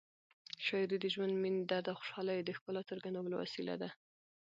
شاعري د ژوند، مینې، درد او خوشحالیو د ښکلا څرګندولو وسیله ده.